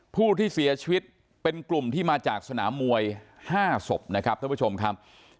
ผู้ที่เสียชีวิตเป็นกลุ่มที่มาจากสนามมวย๕ศพนะครับท่านผู้ชมครับ